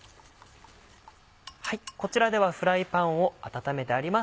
こちらではフライパンを温めてあります。